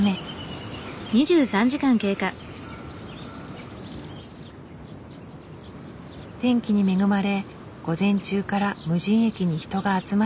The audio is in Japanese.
天気に恵まれ午前中から無人駅に人が集まっている。